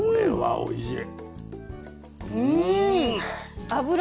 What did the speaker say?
おいしい！